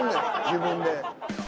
自分で。